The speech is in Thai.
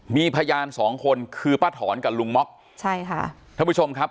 มีพยานสองคนคือป้าถอนกับลุงม็อกใช่ค่ะท่านผู้ชมครับ